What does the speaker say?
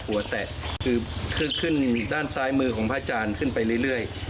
แตะคือขึ้นด้านซ้ายมือของพระอาจารย์ขึ้นไปเรื่อย